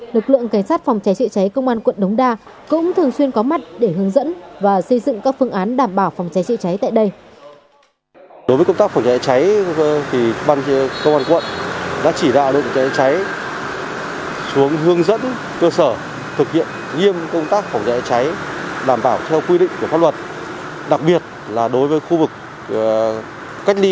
lực lượng cảnh sát phòng cháy chữa cháy công an quận đống đa cũng thường xuyên có mặt để hướng dẫn và xây dựng các phương án đảm bảo phòng cháy chữa cháy tại đây